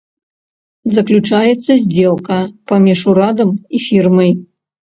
Заключаецца здзелка паміж урадам і фірмай.